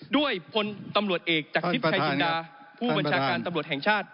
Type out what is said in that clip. ด้วยผลตำรวจเอกจากทฤษฐัยจุนาผู้บัญชาการประบวนแห่งชาติ